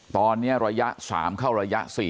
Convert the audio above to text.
ตอนนี้ระยะ๓เข้าระยะ๔